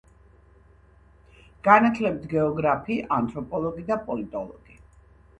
განათლებით გეოგრაფი, ანთროპოლოგი და პოლიტოლოგი.